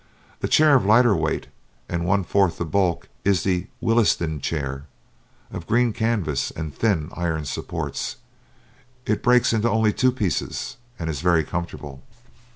A chair of lighter weight and one fourth the bulk is the Willisden chair, of green canvas and thin iron supports. It breaks in only two pieces, and is very comfortable.